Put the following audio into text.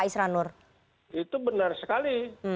itu benar sekali